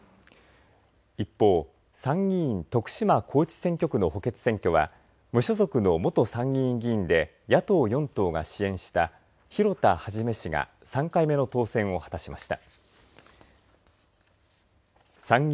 一方、参議院徳島高知選挙区の補欠選挙は無所属の元参議院議員で野党４党が支援した広田一氏が３回目の当選を果たしました。